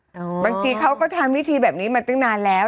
แมงเหวียงบางทีเค้าก็ทำวิธีแบบนี้มาตึงนานแล้ว